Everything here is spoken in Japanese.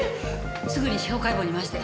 すぐに司法解剖に回して。